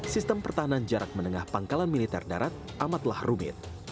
sistem pertahanan jarak menengah pangkalan militer darat amatlah rumit